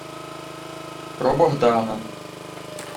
— Про Богдана.